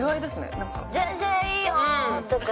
「全然いいよ！」とか。